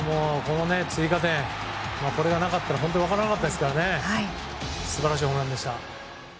追加点、これがなかったら分からなかったので素晴らしいホームランでした。